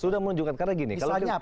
sudah menunjukkan karena gini